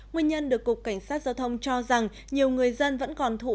nguyên nhân được cục cảnh sát giao thông cho rằng nhiều người dân vẫn còn thủ